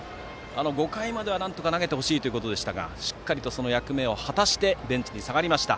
５回まではなんとか投げてほしいということでしたがしっかりとその役目を果たしてベンチに下がりました。